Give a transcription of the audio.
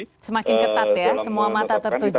oke semakin ketat ya semua mata tertuju